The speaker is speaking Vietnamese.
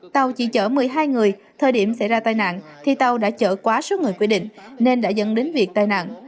tàu chỉ chở một mươi hai người thời điểm xảy ra tai nạn thì tàu đã chở quá số người quy định nên đã dẫn đến việc tai nạn